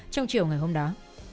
trong chiều ngày hôm đó